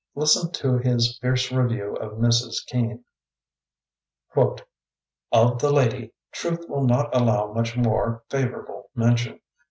Listen to his fierce review of Mrs. Kean : Of the lady, truth wUl not allow much more favorable mention.